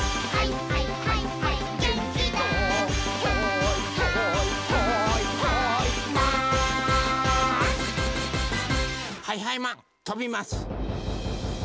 はいはいマンとびます！